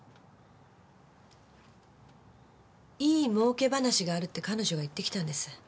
いい儲け話があるって彼女が言ってきたんです。